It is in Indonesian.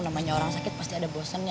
namanya orang sakit pasti ada bosennya